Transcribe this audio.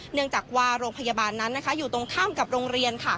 เนื่องจากว่าโรงพยาบาลนั้นอยู่ตรงข้ามกับโรงเรียน